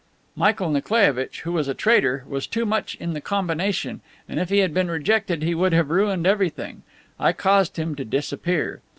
Michael Nikolaievitch, who was a traitor, was too much in the 'combination,' and if he had been rejected he would have ruined everything. I caused him to disappear!